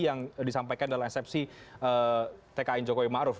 yang disampaikan dalam eksepsi tkn jogja ma'ruf